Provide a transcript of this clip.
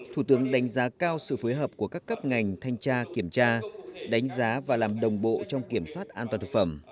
thủ tướng đánh giá cao sự phối hợp của các cấp ngành thanh tra kiểm tra đánh giá và làm đồng bộ trong kiểm soát an toàn thực phẩm